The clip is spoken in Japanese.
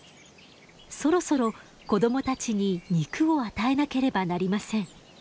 そろそろ子供たちに肉を与えなければなりません。